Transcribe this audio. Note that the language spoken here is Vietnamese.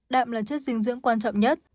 đạm là chất dinh dưỡng quan trọng nhất